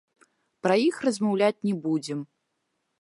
Пра іх размаўляць не будзем.